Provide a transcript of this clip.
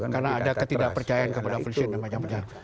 karena ada ketidakpercayaan kepada polisi dan macam macam